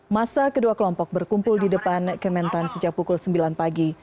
masa kedua kelompok berkumpul di depan kementan sejak pukul sembilan pagi